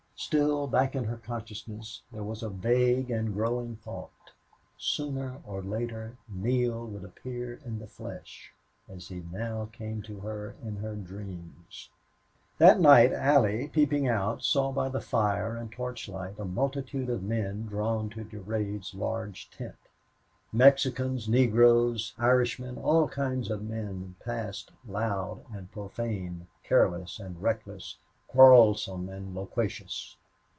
Still, back in her consciousness there was a vague and growing thought. Sooner or later Neale would appear in the flesh, as he now came to her in her dreams. That night Allie, peeping out, saw by the fire and torch light a multitude of men drawn to Durade's large tent. Mexicans, Negroes, Irishmen all kinds of men passed, loud and profane, careless and reckless, quarrelsome and loquacious.